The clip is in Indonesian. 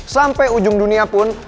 sampe ujung dunia pun